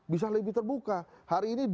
bisa lebih terbuka hari ini